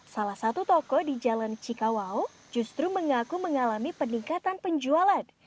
salah satu toko di jalan cikawau justru mengaku mengalami peningkatan penjualan